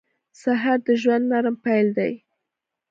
سهار د ژوند نرم پیل دی.